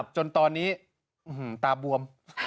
จนตอนนี้ตาบวม